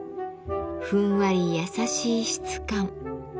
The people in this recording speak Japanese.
ふんわりやさしい質感。